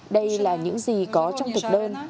đây là những gì có trong thực đơn